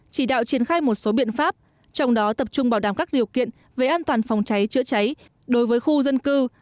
chỉ đạo triển khai một số biện pháp trong đó tập trung bảo đảm các điều kiện về an toàn phòng cháy chữa cháy đối với khu dân cư